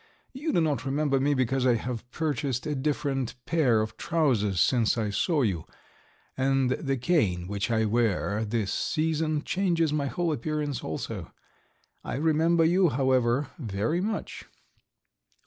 You do not remember me because I have purchased a different pair of trousers since I saw you, and the cane which I wear this season changes my whole appearance also. I remember you, however, very much."